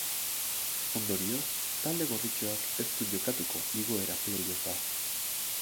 Ondorioz, talde gorritxoak ez du jokatuko igoera playoffa.